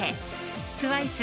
ＴＷＩＣＥ